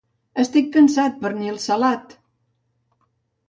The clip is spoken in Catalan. Estic cansat, pernil salat!